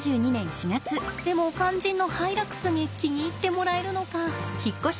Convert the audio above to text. でも肝心のハイラックスに気に入ってもらえるのか。